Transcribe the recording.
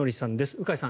鵜飼さん